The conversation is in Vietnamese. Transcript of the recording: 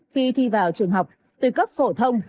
khi thi vào trường học từ cấp phổ thông